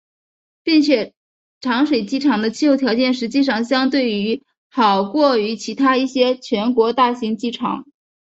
并且长水机场的气象条件实际上相对好于其他一些全国大型机场。